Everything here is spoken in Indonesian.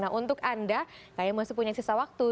nah untuk anda kayak masih punya sisa waktu